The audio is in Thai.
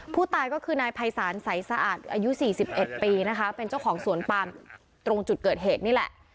ผู้ตายก็คือนายภัยศาลใสสะอาดอายุ๔๑ปีนะคะเป็นเจ้าของสวนปามตรงจุดเกิดเหตุนี่แหละ